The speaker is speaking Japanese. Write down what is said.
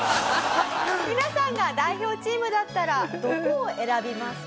皆さんが代表チームだったらどこを選びますか？